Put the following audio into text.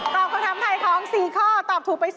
ตอบคำถามไทยคล้อง๔ข้อตอบถูกไป๓ข้อ